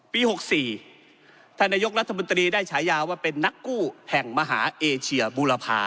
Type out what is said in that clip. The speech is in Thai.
๖๔ท่านนายกรัฐมนตรีได้ฉายาว่าเป็นนักกู้แห่งมหาเอเชียบูรพา